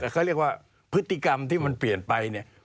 เขาเรียกว่าพฤติกรรมที่มันเปลี่ยนไปเนี่ย